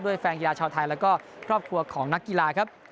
แฟนกีฬาชาวไทยแล้วก็ครอบครัวของนักกีฬาครับ